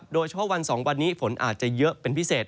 โดยเฉพาะวัน๒วันนี้ฝนอาจจะเยอะเป็นพิเศษ